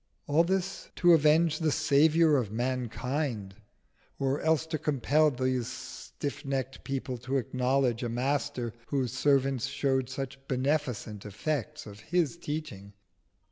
All this to avenge the Saviour of mankind, or else to compel these stiff necked people to acknowledge a Master whose servants showed such beneficent effects of His teaching.